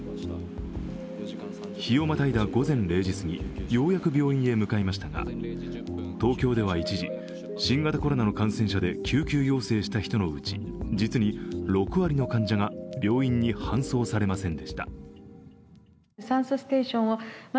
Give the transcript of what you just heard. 日をまたいだ午前０時過ぎ、ようやく病院へ向かいましたが東京では一時、新型コロナの感染者で救急要請した人のうち、実に６割の患者が病院に搬送されませんでした。